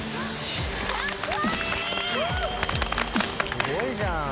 すごいじゃん。